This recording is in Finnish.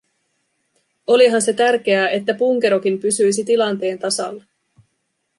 Olihan se tärkeää, että punkerokin pysyisi tilanteen tasalla.